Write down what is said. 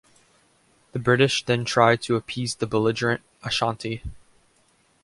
The British then tried to appease the belligerent Ashanti.